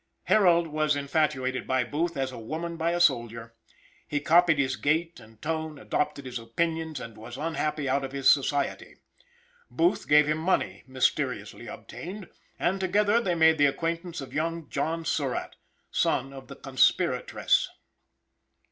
Harold was infatuated by Booth as a woman by a soldier. He copied his gait and tone, adopted his opinions, and was unhappy out of his society. Booth gave him money, mysteriously obtained, and together they made the acquaintance of young John Surratt, son of the conspiratress.